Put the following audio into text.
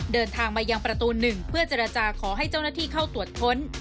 เดินทางมายังประตู๑เพื่อเจรจาขอให้เจ้าหน้าที่เข้าตรวจค้น